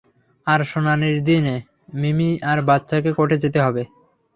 আর শুনানির দিনে মিমি আর বাচ্চাকে কোর্টে যেতে হবে।